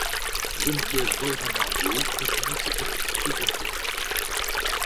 Geneviève Joerin-Margot continue ses activités d'enseignante.